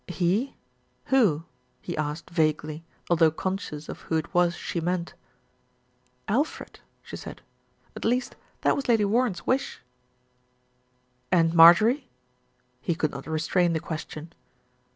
"He! Who?" he asked vaguely, although conscious of who it was she meant. "Alfred," she said. "At least, that was Lady War ren's wish." "And Marjorie?" He could not restrain the ques tion.